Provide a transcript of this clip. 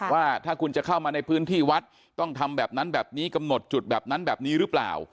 ว่าถ้าคุณจะเข้ามาในพื้นที่วัดต้องทำแบบนั้นแบบนี้กำหนดจุดแบบนั้นแบบนี้หรือเปล่า